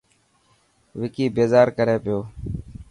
وڪي بيزار ڪري پيو.